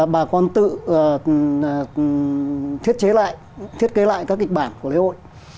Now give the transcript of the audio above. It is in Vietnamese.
bà con tự thiết chế lại thiết kế lại các kịch bản của lễ hội